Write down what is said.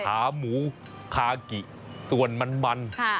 ขาหมูคากิส่วนมัน